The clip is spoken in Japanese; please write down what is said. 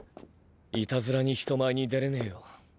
いたずらに人前に出れねぇよ。